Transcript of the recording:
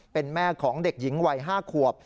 เป็นแม่ของเด็กหญิงวัย๕ขวบ